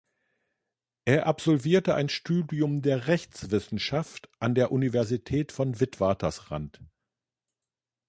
Er absolvierte ein Studium der Rechtswissenschaft an der Universität von Witwatersrand.